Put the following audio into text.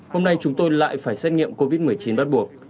hôm nay chúng tôi lại phải xét nghiệm covid một mươi chín bắt buộc